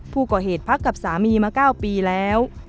ผู้ก่อเหตุพักกับสามีมา๙ปีแล้ว